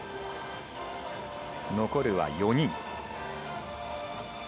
残るは４人。